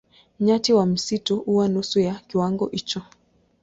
Nyati wa msitu huwa nusu ya kiwango hicho.